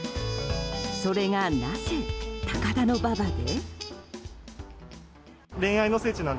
それがなぜ、高田馬場で？